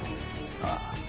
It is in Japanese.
ああ。